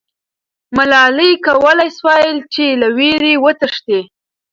ملالۍ کولای سوای چې له ویرې وتښتي.